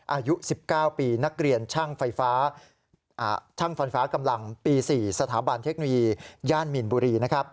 อายุ๑๙ปีนักเรียนช่างไฟฟ้าช่างฟันฟ้ากำลังปี๔สถาบันเทคโนโลยีย่านมีนบุรี